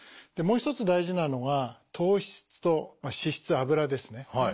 もう一つ大事なのが糖質と脂質油ですね。